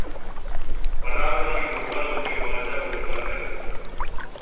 پدیانکانی برز ءَ لوگ ءِ واجہ اوشتاتگ اَت